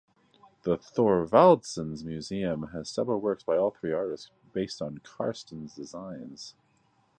The Thorvaldsens Museum has several works by all three artists based on Carstens' designs.